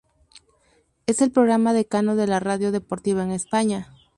Es el programa decano de la radio deportiva en España.